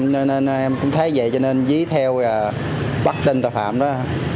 nên em cũng thấy vậy cho nên dưới theo bắt tên tội phạm đó